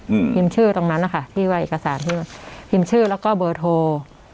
อืมพิมพ์ชื่อตรงนั้นนะคะที่ว่าเอกสารที่พิมพ์ชื่อแล้วก็เบอร์โทร